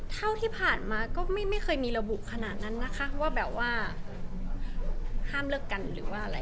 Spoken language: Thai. เท่าที่ผ่านมาก็ไม่เคยมีระบุขนาดนั้นนะคะว่าแบบว่าห้ามเลิกกันหรือว่าอะไร